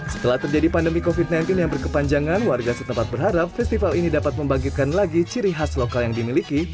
setelah terjadi pandemi covid sembilan belas yang berkepanjangan warga setempat berharap festival ini dapat membangkitkan lagi ciri khas lokal yang dimiliki